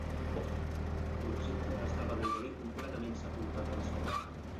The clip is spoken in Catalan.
L'objecte estava gairebé completament sepultat a la sorra.